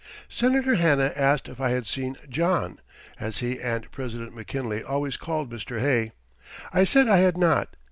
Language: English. Senator Hanna asked if I had seen "John," as he and President McKinley always called Mr. Hay. I said I had not.